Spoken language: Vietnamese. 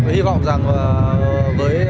hi vọng rằng với